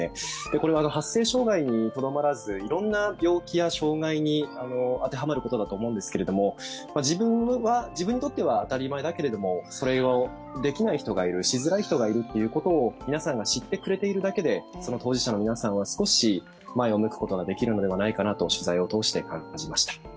これは発声障害にとどまらず、いろんな病気や障害に当てはまることだと思うんですけれども自分にとっては当たり前だけれどもそれをできない人がいるしづらい人がいるということを皆さんが知ってくれているだけで当事者の皆さんは少し前を向くことができるのではないかなと取材を通して感じました。